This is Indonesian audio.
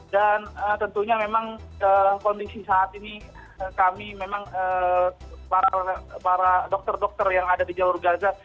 dan tentunya memang kondisi saat ini kami memang para dokter dokter yang ada di jawa ruga gaza